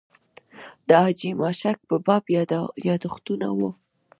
د حاجي ماشک په باب یاداښتونه و.